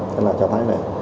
thế là cho thấy là